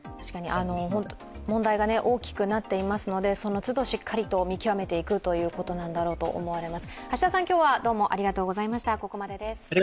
問題が大きくなっていますのでそのつど、しっかり見極めていくということなんだろうと思います。